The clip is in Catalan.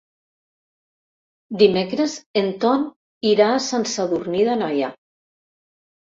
Dimecres en Ton irà a Sant Sadurní d'Anoia.